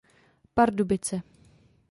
Pardubice.